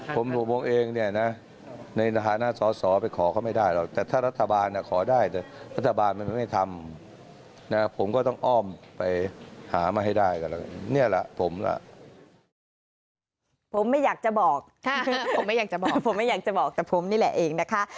ผมไม่อยากจะบอกผมไม่อยากจะบอกผมไม่อยากจะบอกแต่ผมนี่แหละเองนะคะ